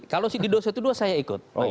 kalau di dua ratus dua belas saya ikut